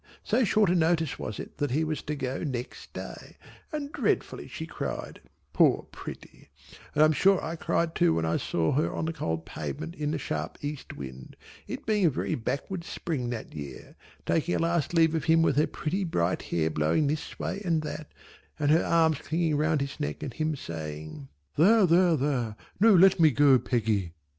So short a notice was it that he was to go next day, and dreadfully she cried poor pretty, and I am sure I cried too when I saw her on the cold pavement in the sharp east wind it being a very backward spring that year taking a last leave of him with her pretty bright hair blowing this way and that and her arms clinging round his neck and him saying "There there there. Now let me go Peggy."